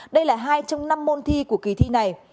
đây là hai trong năm môn thi của kỳ thi này